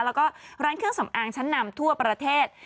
แล้วก็ร้านเครื่องสำอางชั้นนำทั่วประเทศ